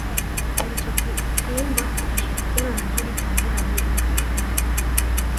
Alichokiimba kwa kushirikiana na Judith Wambura Lady Jaydee